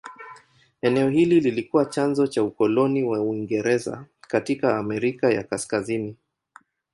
Eneo hili lilikuwa chanzo cha ukoloni wa Uingereza katika Amerika ya Kaskazini.